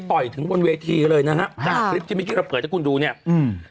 ต่อยถึงบนเวทีเลยนะครับคลิปที่ไม่คิดว่าเปิดถ้าคุณดูเนี้ยอืม